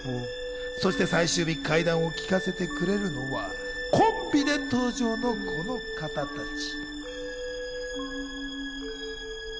そして最終日、怪談を聞かせてくれるのはコンビで登場の、この方たち。